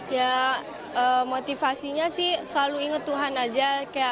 ya motivasinya sih selalu inget tuhan aja